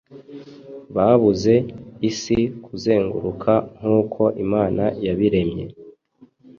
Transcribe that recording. babuze isi kuzenguruka nkuko imana yabiremye